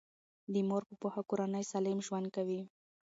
د مور په پوهه کورنۍ سالم ژوند کوي.